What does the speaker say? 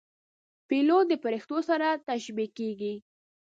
پیلوټ د پرښتو سره تشبیه کېږي.